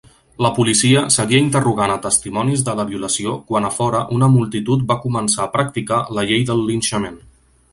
La policia seguia interrogant a testimonis de la violació quan a fora una multitud va començar a practicar la llei del linxament.